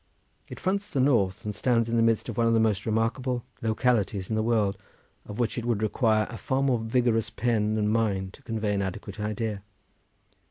It fronts the north and stands in the midst of one of the most remarkable localities in the world, of which it would require a far more vigorous pen than mine to convey an adequate idea.